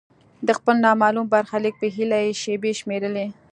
د خپل نامعلوم برخلیک په هیله یې شیبې شمیرلې.